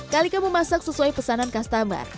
kalika memasak sesuai pesanan customer